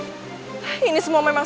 kau sampai ini